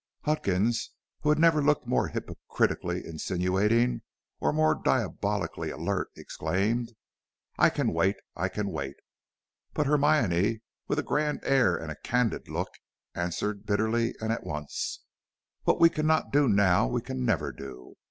Huckins, who had never looked more hypocritically insinuating or more diabolically alert, exclaimed, "I can wait, I can wait." But Hermione, with a grand air and a candid look, answered bitterly and at once: "What we cannot do now we can never do.